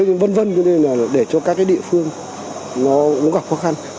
cho nên là để cho các cái địa phương nó cũng gặp khó khăn